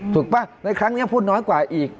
ป่ะในครั้งนี้พูดน้อยกว่าอีก